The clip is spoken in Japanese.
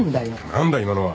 何だ今のは。